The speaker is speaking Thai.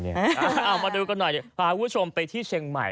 เอามาดูกันหน่อยพาคุณผู้ชมไปที่เชียงใหม่